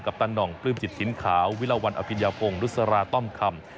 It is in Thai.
กัปตันหน่องปลื้มจิตสินขาววิลวัลอภิญภงรุษราต้อมคำ